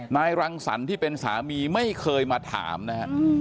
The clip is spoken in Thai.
รังสรรค์ที่เป็นสามีไม่เคยมาถามนะฮะ